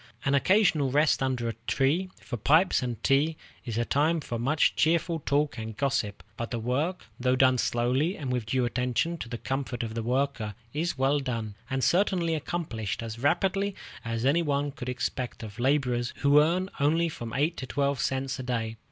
An occasional rest under a tree, for pipes and tea, is the time for much cheerful talk and gossip; but the work, though done slowly and with due attention to the comfort of the worker, is well done, and certainly accomplished as rapidly as any one could expect of laborers who earn only from eight to twelve cents a day.